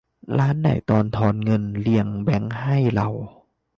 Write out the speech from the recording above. ร้านไหนตอนทอนเงินเรียงแบงก์ให้เรา